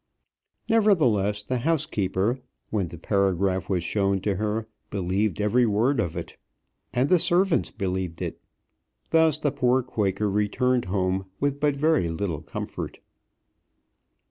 Nevertheless the housekeeper, when the paragraph was shown to her, believed every word of it. And the servants believed it. Thus the poor Quaker returned home with but very little comfort.